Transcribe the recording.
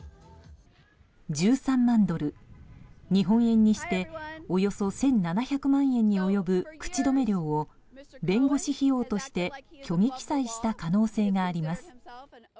１３万ドル、日本円にしておよそ１７００万円に及ぶ口止め料を弁護士費用として虚偽記載した可能性があります。